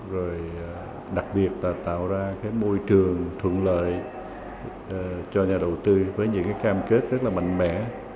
rồi đặc biệt là tạo ra cái môi trường thuận lợi cho nhà đầu tư với những cái cam kết rất là mạnh mẽ